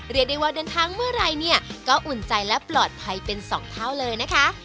เรียกได้ว่าเดินทางเมื่อไหร่เนี่ยก็อุ่นใจและปลอดภัยเป็นสองเท่าเลยนะคะ